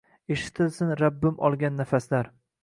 eshitilsin Rabbim olgan nafaslar.